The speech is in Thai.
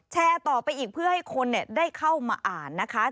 แชร์ต่อไปอีกเพื่อให้คนได้เข้ามาอ่านนะคะ